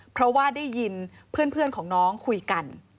เพราะว่าได้ยินเพื่อนของน้องคุยกัน